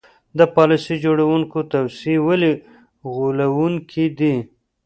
د پالیسي جوړوونکو توصیې ولې غولوونکې دي.